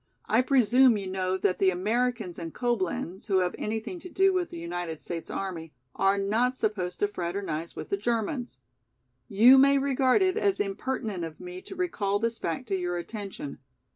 I presume you know that the Americans in Coblenz, who have anything to do with the United States army, are not supposed to fraternize with the Germans. You may regard it as impertinent of me to recall this fact to your attention.